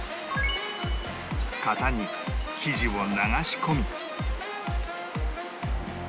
型に生地を流し込み